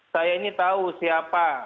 saya ini tahu siapa